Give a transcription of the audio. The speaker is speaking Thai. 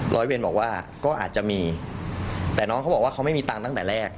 ร้อยเวรบอกว่าก็อาจจะมีแต่น้องเขาบอกว่าเขาไม่มีตังค์ตั้งแต่แรก